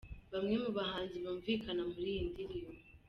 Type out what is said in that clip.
Bamwe mu bahanzi bumvikana muri iyi ndirimbo.